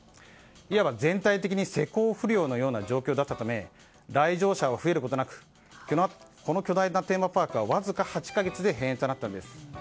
全体的に施工不良の状態だったため来場者は増えることなく巨大なテーマパークはわずか８か月で閉園となったんです。